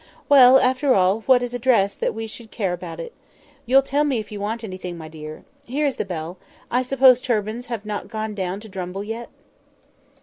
Well, after all, what is dress, that we should care anything about it? You'll tell me if you want anything, my dear. Here is the bell. I suppose turbans have not got down to Drumble yet?"